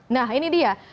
nah ini dia